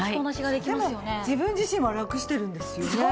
でも自分自身はラクしてるんですよね。